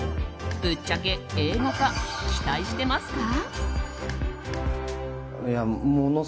ぶっちゃけ映画化期待してますか？